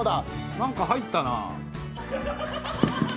なんか入ったな。